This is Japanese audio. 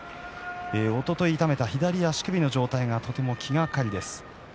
おととい痛めた左足首の状態がとても気がかりです。